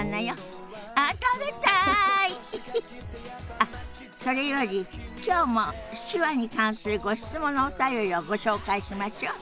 あっそれより今日も手話に関するご質問のお便りをご紹介しましょ。